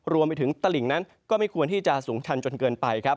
รวมไปถึงตลิ่งนั้นก็ไม่ควรที่จะสูงชันจนเกินไปครับ